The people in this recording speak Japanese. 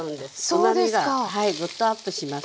うまみがグッとアップします。